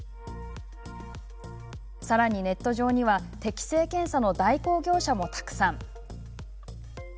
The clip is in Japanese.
さらにネット上には適性検査の代行業者もたくさん。